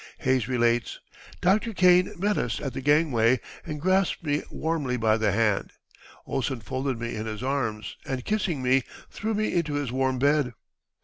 Hayes relates, "Dr. Kane met us at the gangway and grasped me warmly by the hand.... Ohlsen folded me in his arms, and, kissing me, threw me into his warm bed."